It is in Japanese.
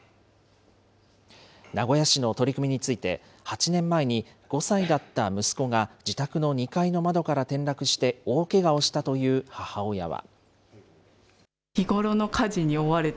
名古屋市の取り組みについて、８年前に５歳だった息子が自宅の２階の窓から転落して大けがをしたという母親は。